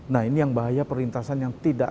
nah ini yang bahaya perlintasan yang tidak